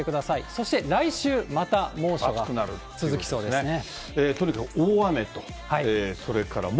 そして来週、また猛暑が続きそうですね。